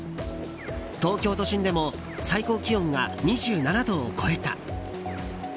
東京都心でも最高気温が２７度を超えた。